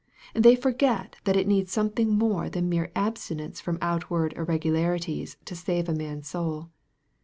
They forget that it needs something more than mere absti nence from outward irregularities to save a man's soul.